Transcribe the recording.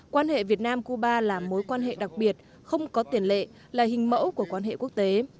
quan hệ việt nam cuba là mối quan hệ đặc biệt không có tiền lệ là hình mẫu của quan hệ quốc tế